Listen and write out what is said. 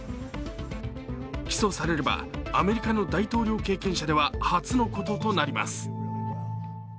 起訴されればアメリカの大統領経験者では初のこととなります。